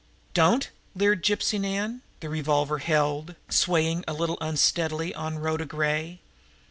"Don't!" leered Gypsy Nan. The revolver held, swaying a little unsteadily, on Rhoda Gray.